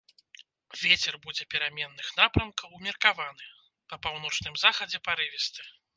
Вецер будзе пераменных напрамкаў, умеркаваны, па паўночным захадзе парывісты.